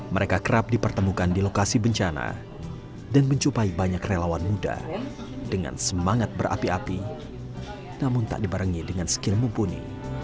mereka kerap dipertemukan di lokasi bencana dan mencupai banyak relawan muda dengan semangat berapi api namun tak dibarengi dengan skill mumpuni